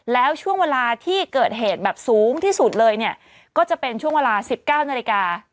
แล้วช่วงเวลาที่เกิดเหตุแบบสูงที่สุดเลยเนี่ยก็จะเป็นช่วงเวลา๑๙นาฬิกา